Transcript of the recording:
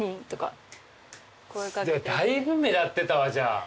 だいぶ目立ってたわじゃあ。